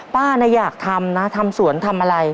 ป้าน่ะอยากทำนะทำสวนทำอะไร